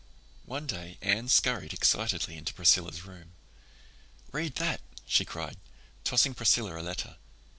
One day Anne scurried excitedly into Priscilla's room. "Read that," she cried, tossing Priscilla a letter.